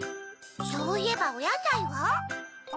そういえばおやさいは？